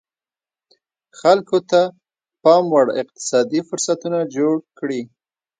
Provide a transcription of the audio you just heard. خلکو ته پاموړ اقتصادي فرصتونه جوړ کړي.